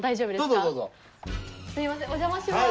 すいませんお邪魔します。